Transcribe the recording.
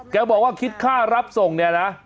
แกบอกว่าคิดค่ารับส่งเนี่ยนะ